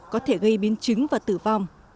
có thể gây biến chứng và tử vong